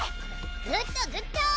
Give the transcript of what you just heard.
グッドグッド！